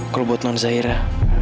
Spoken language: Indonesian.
kalau buat nonzahira